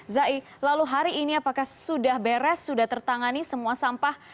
zai lalu hari ini apakah sudah beres sudah tertangani semua sampah